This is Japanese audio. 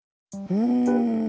うん。